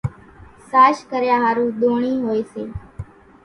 ساش ڪريا ۿارُو ۮونڻِي هوئيَ سي۔